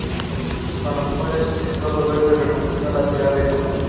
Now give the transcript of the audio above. Con los cuales intento dos veces reconquistar la ciudad de Copán.